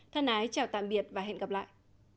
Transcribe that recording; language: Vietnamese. thân ái chào tạm biệt và hẹn gặp lại